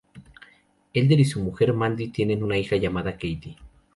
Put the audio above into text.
Elder y su mujer Mandy tienen una hija llamada Katie.